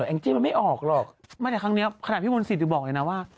แองจี้มันไม่ออกหรอกไม่แต่ครั้งนี้ขนาดพี่มนตรีบอกเลยนะว่า